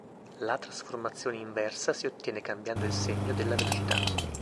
La trasformazione inversa si ottiene cambiando il segno della velocità.